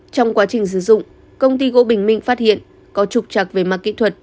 trong quá trình sử dụng công ty gỗ bình minh phát hiện có trục trặc về mặt kỹ thuật